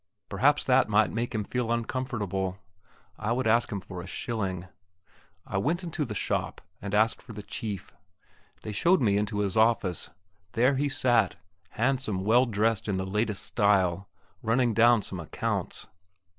Perhaps that might make him feel uncomfortable. I would ask him for a shilling. I went into the shop, and asked for the chief. They showed me into his office; there he sat handsome, well dressed in the latest style running down some accounts.